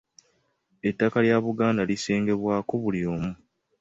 Ettaka lya Buganda lisengebwako buli omu.